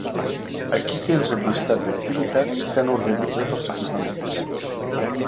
Aquí tens el llistat d'activitats que han organitzat els equipaments.